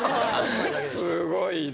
すごいな。